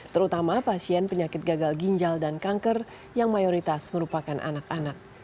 terutama pasien penyakit gagal ginjal dan kanker yang mayoritas merupakan anak anak